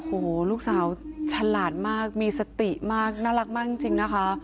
โอ้โหลูกสาวฉลาดมากมีสติมากน่ารักมากจริงนะคะ